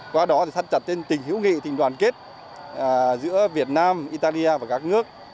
qua đó sát chặt tình hữu nghị tình đoàn kết giữa việt nam italia và các nước